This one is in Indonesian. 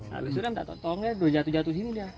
habis itu dia minta tolongnya jatuh jatuh sini